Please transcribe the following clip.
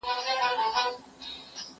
هغه څوک چي سينه سپين کوي پاک وي!